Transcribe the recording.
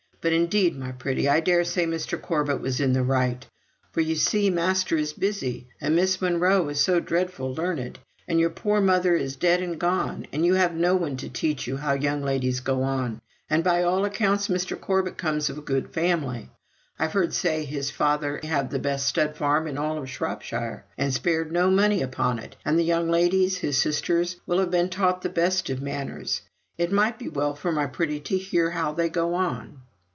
But, indeed, my pretty, I daresay Mr. Corbet was in the right; for, you see, master is busy, and Miss Monro is so dreadful learned, and your poor mother is dead and gone, and you have no one to teach you how young ladies go on; and by all accounts Mr. Corbet comes of a good family. I've heard say his father had the best stud farm in all Shropshire, and spared no money upon it; and the young ladies his sisters will have been taught the best of manners; it might be well for my pretty to hear how they go on."